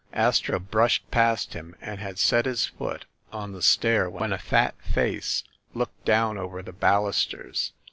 Astro brushed past him and had set his foot on the stair, when a fat face looked down over the balusters.